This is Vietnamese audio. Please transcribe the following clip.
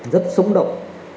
rất sống động